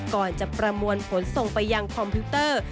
ก่อนจะประมวลผลส่งไปยังคอมพิวเตอร์